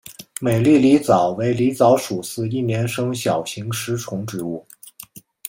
美丽狸藻为狸藻属似一年生小型食虫植物。